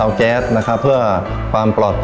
ทางโรงเรียนยังได้จัดซื้อหม้อหุงข้าวขนาด๑๐ลิตร